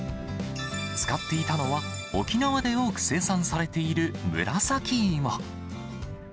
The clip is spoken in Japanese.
使っていたのは、沖縄で多く生産されている紫芋。